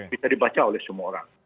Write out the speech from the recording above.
bisa dibaca oleh semua orang